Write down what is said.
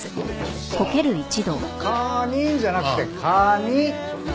「カニン」じゃなくて「カニ」！